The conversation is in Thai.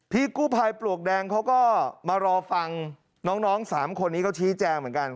พี่กู้ภัยปลวกแดงเขาก็มารอฟังน้อง๓คนนี้เขาชี้แจงเหมือนกัน